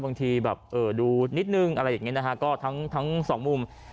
บางทีดูนิดหนึ่งอะไรอย่างเงี้ยนะทั้ง๒มุม